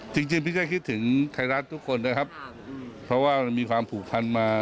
จริงจริงพี่ก็คิดถึงไทยรัฐทุกคนนะครับเพราะว่ามันมีความผูกพันมา